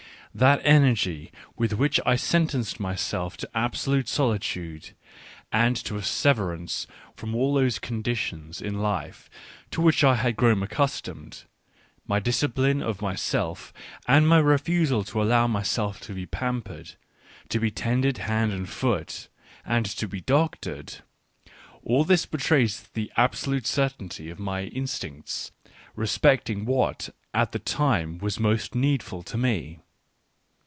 That energy with which I sentenced myself to absolute solitude, and to a severance from all those condi tions in life to which I had grown accustomed ; my discipline of myself, and my refusal to allow myself to be pampered, to be tended hand and foot, and to be doctored — all this betrays the absolute certainty of my instincts respecting what at that time was most needful to me.